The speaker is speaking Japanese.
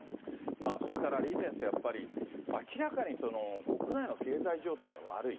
それから李先生、やっぱり、明らかに国内の経済状態が悪い。